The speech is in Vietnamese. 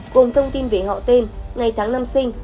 cùng thông tin về họ tên ngày tháng năm sinh